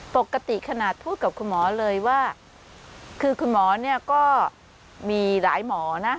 ปกติขนาดพูดกับคุณหมอเลยว่าคือคุณหมอเนี่ยก็มีหลายหมอนะ